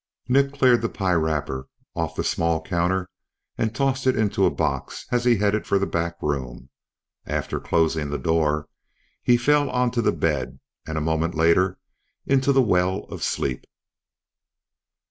Nick cleared the pie wrapper off the small counter and tossed it into a box as he headed for the backroom. After closing the door, he fell onto the bed and a moment later into the well of sleep.